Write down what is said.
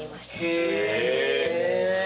へえ。